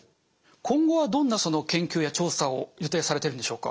今後はどんな研究や調査を予定されてるんでしょうか？